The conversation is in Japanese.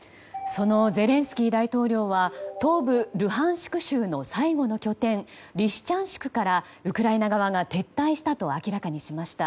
そのゼレンスキー大統領は東部ルハンシク州の最後の拠点リシチャンスクからウクライナ側が撤退したと明らかにしました。